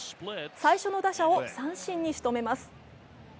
最初の打者を三振にしとめます。